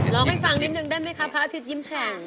ร้องให้ฟังนิดนึงได้ไหมคะพระอาทิตยิ้มแฉ่ง